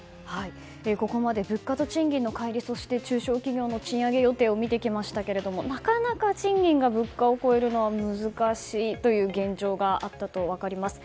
ここまで物価と賃金の乖離そしてち中小企業の賃上げ予定を聞いてきましたがなかなか賃金が物価を超えるのは難しいという現状があったと分かります。